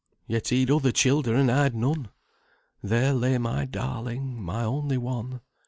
"Yet he'd other childer and I'd none. There lay my darling, my only one.